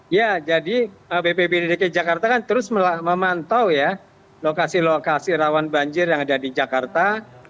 ya jadi bpbd dki jakarta kan terus memantau ya lokasi lokasi rawan banjir yang ada di jakarta